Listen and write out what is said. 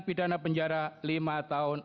pidana penjara lima tahun